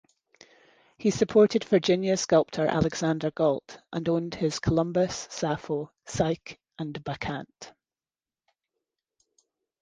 He supported Virginia sculptor Alexander Galt, and owned his "Columbus", "Sappho", "Psyche", and "Bacchante".